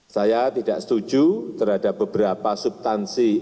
saya tidak setuju terhadap beberapa subtansi